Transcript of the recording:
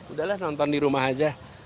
udahlah nonton di rumah aja